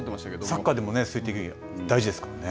サッカーでも数的優位、大事ですからね。